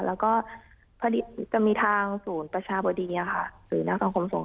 แล้วก็พอดีจะมีทางศูนย์ประชาบดิหรือนอกต้องกดส่ง